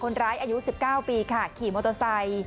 คนร้ายอายุ๑๙ปีขี่มอเทอสัย